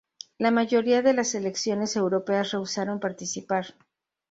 La mayoría de las selecciones europeas rehusaron participar.